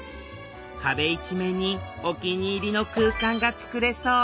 壁一面にお気に入りの空間が作れそう！